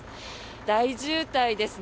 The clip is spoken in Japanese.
大渋滞ですね。